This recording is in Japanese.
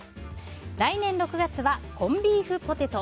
来年６月はコンビーフポテト。